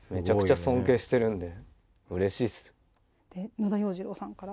野田洋次郎さんから。